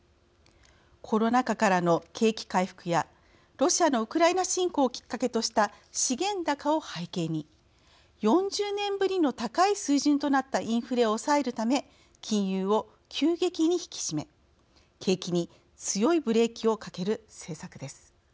コロナ禍からの景気回復やロシアのウクライナ侵攻をきっかけとした資源高を背景に４０年ぶりの高い水準となったインフレを抑えるため金融を急激に引き締め景気に強いブレーキをかける政策です。